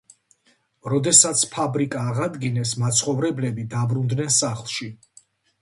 როდესაც ფაბრიკა აღადგინეს, მაცხოვრებლები დაბრუნდნენ სახლში.